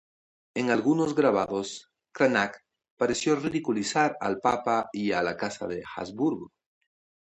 En algunos grabados, Cranach pareció ridiculizar al papa y a la Casa de Habsburgo.